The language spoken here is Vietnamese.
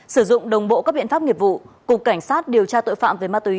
sử dụng đồng bộ các biện pháp nghiệp vụ cục cảnh sát điều tra tội phạm về ma túy